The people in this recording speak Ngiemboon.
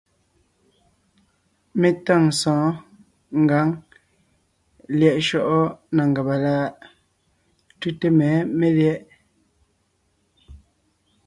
Mé tâŋ sɔ̌ɔn ngǎŋ lyɛ̌ʼ shyɔ́ʼɔ na ngàba láʼ? Tʉ́te mɛ̌ melyɛ̌ʼ.